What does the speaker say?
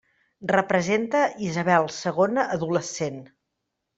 Representa Isabel segona adolescent.